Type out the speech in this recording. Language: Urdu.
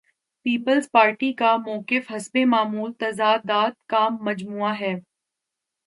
پیپلز پارٹی کا موقف حسب معمول تضادات کا مجموعہ ہے۔